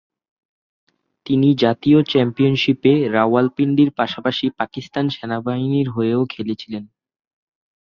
তিনি জাতীয় চ্যাম্পিয়নশিপে রাওয়ালপিন্ডির পাশাপাশি পাকিস্তান সেনাবাহিনীর হয়েও খেলেছিলেন।